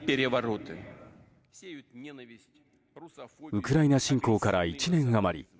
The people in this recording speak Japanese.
ウクライナ侵攻から１年余り。